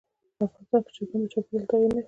افغانستان کې چرګان د چاپېریال د تغیر نښه ده.